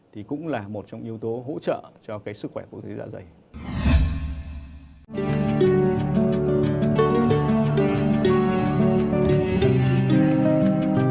thì cũng là một trong những yếu tố hỗ trợ cho cái sức khỏe của quốc gia dạ dày